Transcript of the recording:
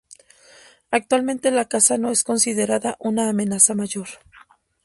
Actualmente, la caza no es considerada una amenaza mayor.